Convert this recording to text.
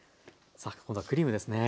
さあ今度はクリームですね。